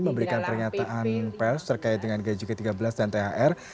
memberikan pernyataan pers terkait dengan gaji ke tiga belas dan thr